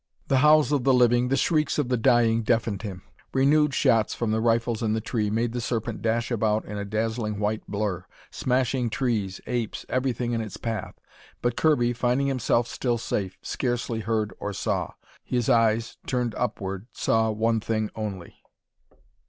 The howls of the living, the shrieks of the dying deafened him. Renewed shots from the rifles in the tree, made the Serpent lash about in a dazzling white blur, smashing trees, apes, everything in its path. But Kirby, finding himself still safe, scarcely heard or saw. His eyes, turned upward, saw one thing only.